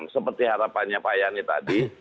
seperti harapannya pak yani tadi